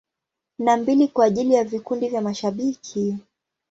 Na mbili kwa ajili ya vikundi vya mashabiki.